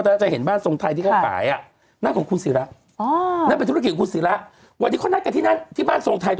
ตอนนั้นจะเห็นบ้านสงธัยที่ค่าขายนั่นคือของคุณศรีแล้ววันนี้เขานัดกันที่บ้านสงธัย